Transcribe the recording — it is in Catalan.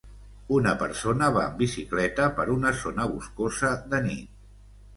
Una persona va amb bicicleta per una zona boscosa de nit.